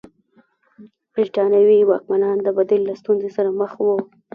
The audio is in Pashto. برېټانوي واکمنان د بدیل له ستونزې سره مخ وو.